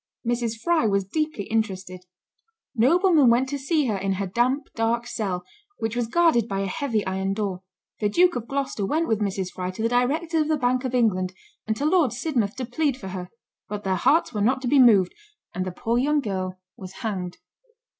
Mrs. Fry was deeply interested. Noblemen went to see her in her damp, dark cell, which was guarded by a heavy iron door. The Duke of Gloucester went with Mrs. Fry to the Directors of the Bank of England, and to Lord Sidmouth, to plead for her, but their hearts were not to be moved, and the poor young girl was hanged.